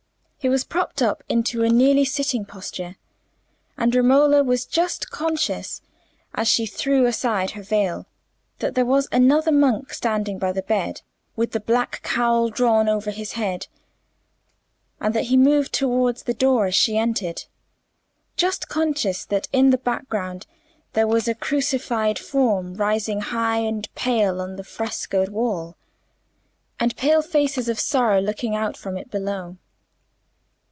He was propped up into nearly a sitting posture; and Romola was just conscious, as she threw aside her veil, that there was another monk standing by the bed, with the black cowl drawn over his head, and that he moved towards the door as she entered; just conscious that in the background there was a crucified form rising high and pale on the frescoed wall, and pale faces of sorrow looking out from it below.